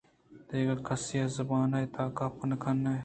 دگہ کسے ءِ زبان ءِ تہ ءَ گپ کن ئے